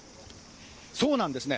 そうなんですね。